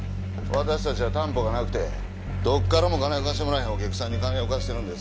私たちは担保がなくてどこからも金を貸してもらえないお客さんに金を貸してるんです。